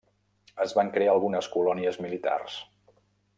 Es van crear algunes colònies militars.